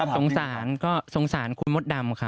สงสารกับคุณมดดำ